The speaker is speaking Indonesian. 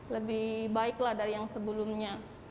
lebih baik lah dari yang sebelumnya